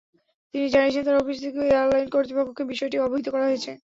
তিনি জানিয়েছেন, তাঁর অফিস থেকে এয়ারলাইন কর্তৃপক্ষকে বিষয়টি অবহিত করা হয়েছে।